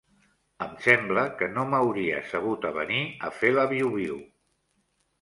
Em sembla que no m'hauria sabut avenir a fer la viu-viu.